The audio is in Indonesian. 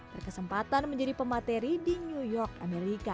berkesempatan menjadi pemateri di new york amerika